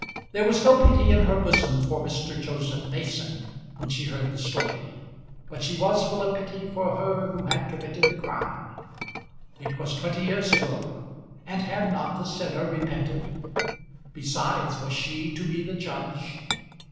There was no pity in her bosom for Mr. Joseph Mason when she heard the story, but she was full of pity for her who had committed the crime. It was twenty years ago, and had not the sinner repented? Besides, was she to be the judge?